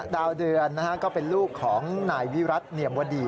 ดาวเดือนก็เป็นลูกของนายวิรัติเนียมวดี